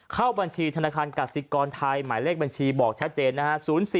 เข้าบัญชีธนาคารกสิกรไทยหมายเลขบัญชีบอกชัดเจนนะฮะ